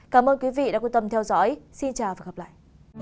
xin chào và hẹn gặp lại